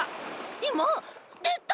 いまでた。